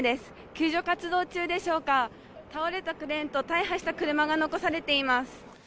救助活動中でしょうか、倒れたクレーンと大破した車が残されています。